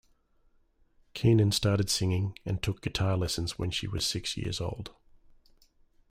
Keenan started singing and took guitar lessons when she was six years old.